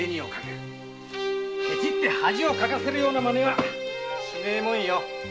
ケチって恥をかかせるマネはしねえもんよ。